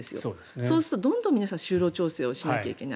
そうすると、どんどん就労調整をしなきゃいけない。